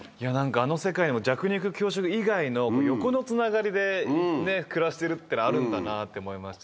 あの世界も弱肉強食以外の横のつながりで暮らしてるっていうのあるんだなって思いましたし。